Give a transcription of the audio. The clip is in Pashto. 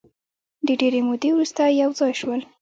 د ډېرې مودې وروسته یو ځای شول.